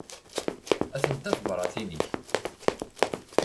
Atent-a tebratin-ik.